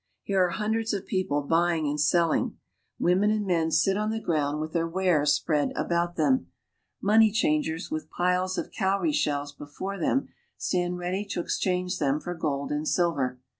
Here are hundreds of people buying and selling. Women and men sit on the ground THE UPPER NIGER— TIMUUKTU AND JKNNE i{|vith their wares spread about them. Money changers, Unith piles of cowrie shells before them, stand ready to ex change them for gold and silver.